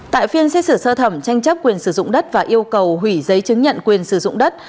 tại phiên xét xử sơ thẩm tranh chấp quyền sử dụng đất và yêu cầu hủy giấy chứng nhận quyền sử dụng đất